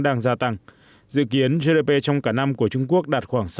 đang gia tăng dự kiến gdp trong cả năm của trung quốc đạt khoảng sáu mươi